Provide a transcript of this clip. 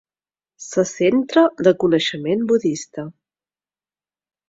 Se centre de coneixement budista.